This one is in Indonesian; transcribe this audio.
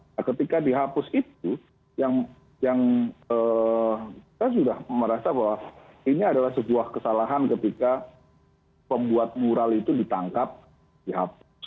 nah ketika dihapus itu yang kita sudah merasa bahwa ini adalah sebuah kesalahan ketika pembuat mural itu ditangkap dihapus